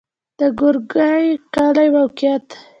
د ګورکي کلی موقعیت